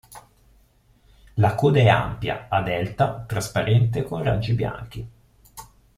La coda è ampia, a delta, trasparente con raggi bianchi.